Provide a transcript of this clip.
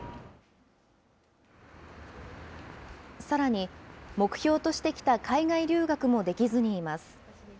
さらに、目標としてきた海外留学もできずにいます。